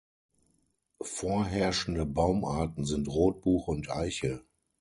Vorherrschende Baumarten sind Rotbuche und Eiche.